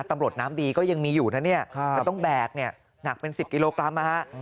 ตำรวจน้ำดีก็ยังมีอยู่นะเนี่ยจะต้องแบกเนี่ยหนักเป็น๑๐กิโลกรัมนะฮะ